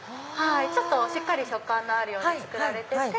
しっかり食感のあるように作られてて。